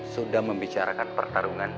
sudah membicarakan pertarungan